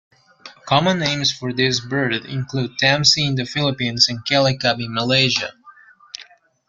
Common names for this bird include "tamsi" in the Philippines and "kelicap" in Malaysia.